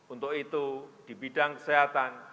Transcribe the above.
untuk itu di bidang kesehatan